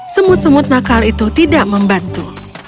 semut semut nakal itu tidak membantu